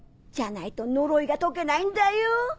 じゃないと呪いが解けないんだよ。